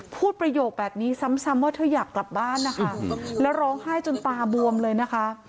ประโยคแบบนี้ซ้ำว่าเธออยากกลับบ้านนะคะแล้วร้องไห้จนตาบวมเลยนะคะ